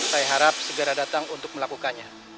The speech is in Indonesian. saya harap segera datang untuk melakukannya